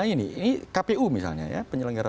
ini ini kpu misalnya ya penyelenggara